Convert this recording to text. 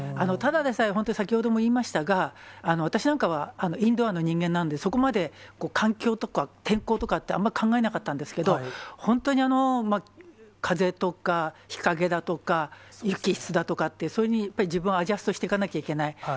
ただでさえ、本当に、先ほども言いましたが、私なんかはインドアの人間なんで、そこまで環境とか、天候とかってあんま考えなかったんですけど、本当に風とか、日陰だとか、雪質だとかって、それに自分をアジャストしていかないといけない。